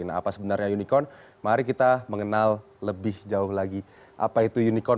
nah apa sebenarnya unicorn mari kita mengenal lebih jauh lagi apa itu unicorn